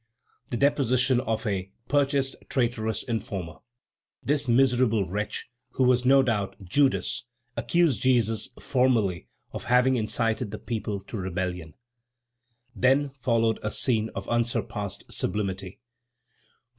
the deposition of a purchased traitorous informer. This miserable wretch who was, no doubt, Judas accused Jesus formally, of having incited the people to rebellion. Then followed a scene of unsurpassed sublimity.